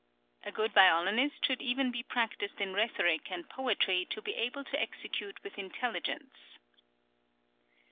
245); a good violinist should even be practised in rhetoric and poetry to be able to execute with intelligence (p.